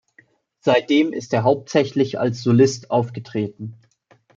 Seitdem ist er hauptsächlich als Solist aufgetreten.